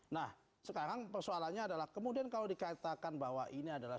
nah sekarang persoalannya adalah kemudian kalau dikatakan bahwa ini adalah